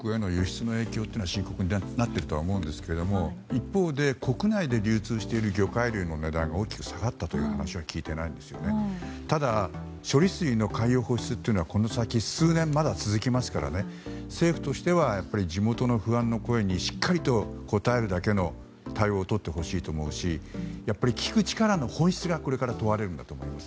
中国への輸出の影響は深刻になっていると思いますが一方、国内で流通している魚介類の値段が下がったという話は聞いていなくてただ処理水の海洋放出というのは数年先まで続きますから政府としては地元の不安の声にしっかりと応えるだけの対応を取ってほしいと思うし聞く力の本質がこれから問われると思います。